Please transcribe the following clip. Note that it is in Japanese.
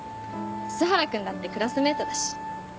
栖原君だってクラスメートだし。